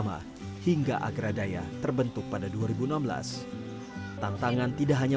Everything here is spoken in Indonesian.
jadi sebenarnya kehidupan itu tidak yang terus satu sisi saja